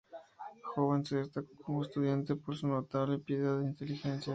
De joven se destacó como estudiante por su notable piedad e inteligencia.